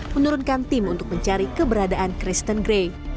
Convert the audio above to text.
menurunkan tim untuk mencari keberadaan kristen gray